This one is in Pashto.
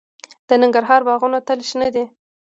د ننګرهار باغونه تل شنه دي.